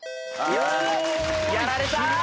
やられた！